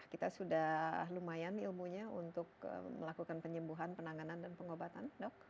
kita sudah lumayan ilmunya untuk melakukan penyembuhan penanganan dan pengobatan dok